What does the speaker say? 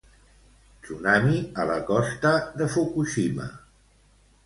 Tsunami a la costa de Fukushima.